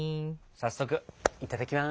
早速いただきます。